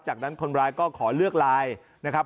จากนั้นคนร้ายก็ขอเลือกไลน์นะครับ